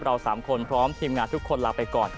๓คนพร้อมทีมงานทุกคนลาไปก่อน